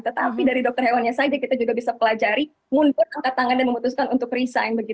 tetapi dari dokter hewannya saja kita juga bisa pelajari mundur angkat tangan dan memutuskan untuk resign